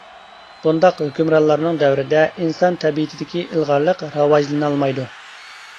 بۇنداق ھۆكۈمرانلارنىڭ دەۋرىدە ئىنسان تەبىئىتىدىكى ئىلغارلىق راۋاجلىنالمايدۇ.